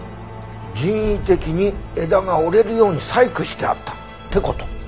人為的に枝が折れるように細工してあったって事？